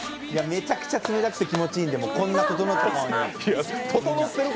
めちゃくちゃ冷たくて気持ちいいんでこんなととのった顔になってる。